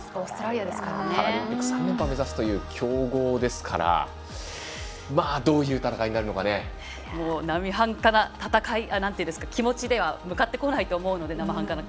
オリンピック３連覇を目指す強豪ですからなまはんかな気持ちでは向かってこないと思うので。